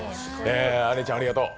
あんりちゃん、ありがとう。